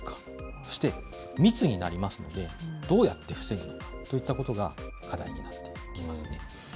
そして密になりますので、どうやって防ぐのかといったことが課題になっている。